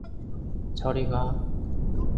저리 가!